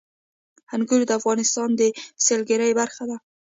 انګور د افغانستان د سیلګرۍ برخه ده.